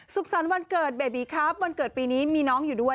สุขสรรค์วันเกิดเบบีครับวันเกิดปีนี้มีน้องอยู่ด้วย